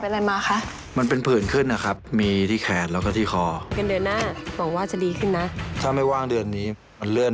ถ้าแกไปเป็นทหาร๒ปีใครจะช่วยฉันเลี่ยงให้โอ๊ตมัน